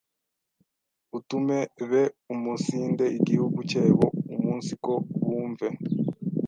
utume beumunsinde igihugu cyebo umunsiko bumve